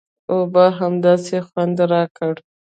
اوبو همداسې خوند راکړ.